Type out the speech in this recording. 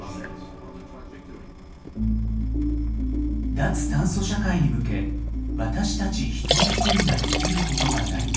脱炭素社会に向け私たち一人一人ができることは何か。